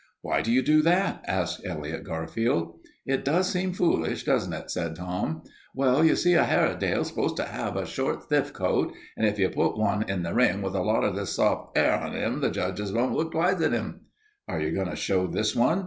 "Why do you do that?" asked Elliot Garfield. "It does seem foolish, doesn't it?" said Tom. "Well, you see a Hairedale is supposed to 'ave a short, stiff coat, and if you put one in the ring with a lot of this soft 'air on him, the judge won't look twice at 'im." "Are you going to show this one?"